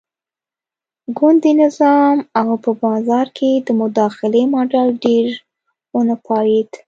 ګوندي نظام او په بازار کې د مداخلې ماډل ډېر ونه پایېد.